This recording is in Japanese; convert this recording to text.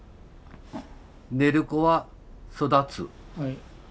寝る子は育つ。